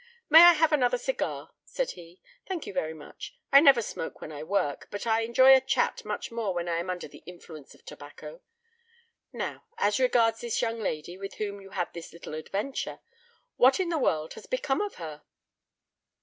"May I have another cigar?" said he. "Thank you very much! I never smoke when I work, but I enjoy a chat much more when I am under the influence of tobacco. Now, as regards this young lady, with whom you had this little adventure. What in the world has become of her?"